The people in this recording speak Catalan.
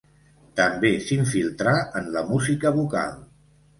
També s'infiltrà en la música vocal.